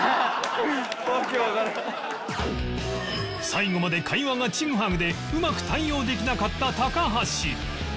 最後まで会話がチグハグでうまく対応できなかった高橋